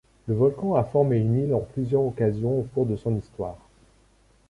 Le volcan a formé une île en plusieurs occasions au cours de son histoire.